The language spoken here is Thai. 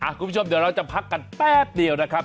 คุณผู้ชมเดี๋ยวเราจะพักกันแป๊บเดียวนะครับ